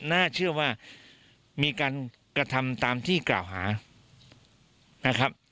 น่าเชื่อว่ามีการกระทำตามที่กล่าวหานะครับ